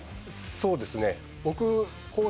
そうですね